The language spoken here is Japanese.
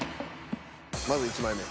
まず１枚目。